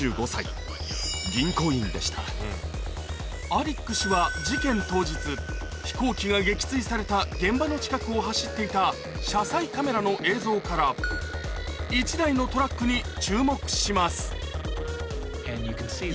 アリック氏は事件当日飛行機が撃墜された現場の近くを走っていた車載カメラの映像から１台のトラックに注目します